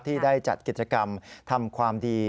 ที่ได้จัดกิจกรรมทำความดี